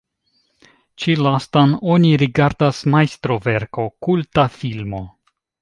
Ĉi lastan oni rigardas majstroverko, kulta filmo.